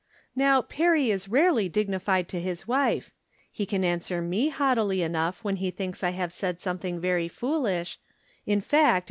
Now, Perry is rarely dignified to his wife ; he can answer me haughtily enough when he thinks I have said something very foolish; in fact it 148 From Different Standpoints.